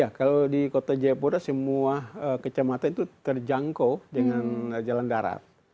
ya kalau di kota jayapura semua kecamatan itu terjangkau dengan jalan darat